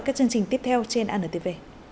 các chương trình tiếp theo trên anntv